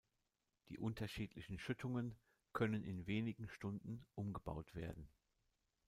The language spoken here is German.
Die unterschiedlichen Schüttungen können in wenigen Stunden umgebaut werden.